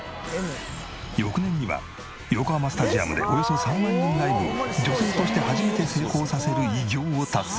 翌年には横浜スタジアムでおよそ３万人ライブを女性として初めて成功させる偉業を達成。